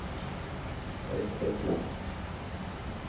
Er ist recht lang.